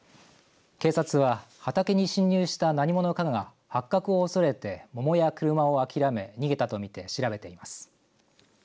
警察は畑に侵入した何者かが発覚を恐れて桃や車を諦め逃げたと見て調べています。